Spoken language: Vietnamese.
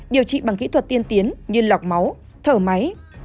điều trị bằng kỹ thuật tiên tiến như lọc máu thở máy